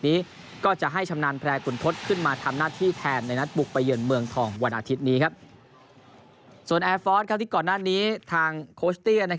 ในเยือนเมืองทองวันอาทิตย์นี้ครับส่วนแอร์ฟอร์สที่ก่อนหน้านี้ทางโคสตี้